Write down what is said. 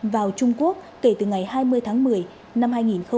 vào trung quốc kể từ ngày hai mươi tháng một mươi năm hai nghìn hai mươi ba